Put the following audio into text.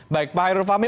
baik pak hairul fahmi